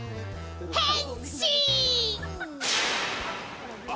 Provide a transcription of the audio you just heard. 変身！！